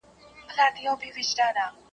کریمه مه پوښته له ما د ماتو شونډو دلیل: